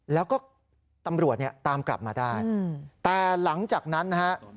แล้วก็ตำรวจเนี่ยตามกลับมาได้แต่หลังจากนั้นนะฮะ